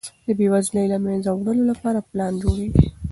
د بېوزلۍ د له منځه وړلو لپاره پلان جوړیږي.